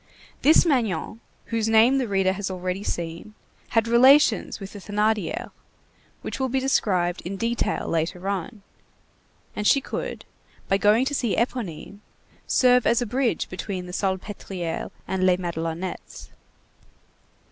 This Magnon, whose name the reader has already seen, had relations with the Thénardier, which will be described in detail later on, and she could, by going to see Éponine, serve as a bridge between the Salpêtrière and Les Madelonettes.